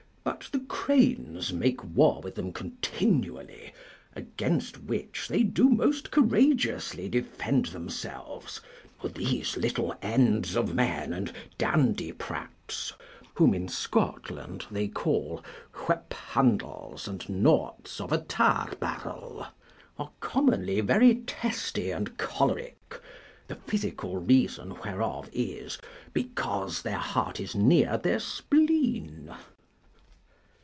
But the cranes make war with them continually, against which they do most courageously defend themselves; for these little ends of men and dandiprats (whom in Scotland they call whiphandles and knots of a tar barrel) are commonly very testy and choleric; the physical reason whereof is, because their heart is near their spleen.